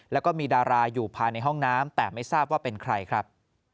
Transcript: แล้วก็มีดาราอยู่ภายในห้องน้ำแต่ไม่ทราบว่าเป็นใครครับ